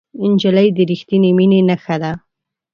نجلۍ د رښتینې مینې نښه ده.